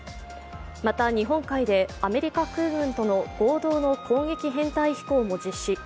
また、日本海でアメリカ空軍との合同の攻撃編隊飛行も実施。